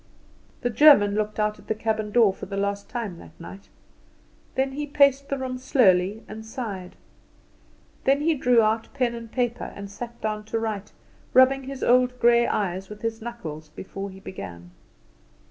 The German looked out at the cabin door for the last time that night. Then he paced the room slowly and sighed. Then he drew out pen and paper, and sat down to write, rubbing his old grey eyes with his knuckles before he began.